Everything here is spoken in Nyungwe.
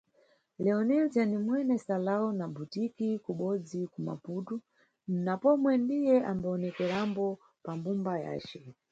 Leonilzia ni mwene salão na butique kubodzi ku Maputu na pomwe ndiye ambawonekerambo pa mbumba yace.